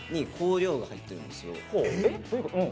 どういうこと？